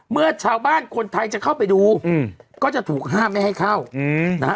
เมื่อชาวบ้านคนไทยจะเข้าไปดูก็จะถูกห้ามไม่ให้เข้านะฮะ